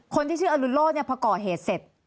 คนที่ชื่ออรุณโลธเนี่ยพอก่อเหตุเสร็จ